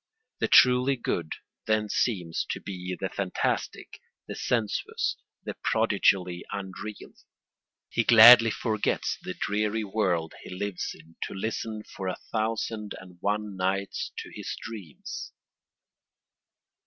The truly good then seems to be the fantastic, the sensuous, the prodigally unreal. He gladly forgets the dreary world he lives in to listen for a thousand and one nights to his dreams.